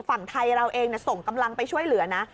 ฝั่งไทยเราเองส่งกำลังไปช่วยเหลือนะ